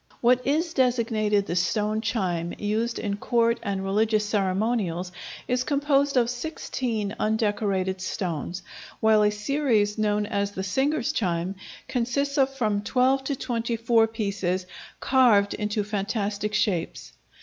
What is designated the "stone chime" used in court and religious ceremonials, is composed of 16 undecorated stones, while a series known as the singers' chime consists of from 12 to 24 pieces carved into fantastic shapes.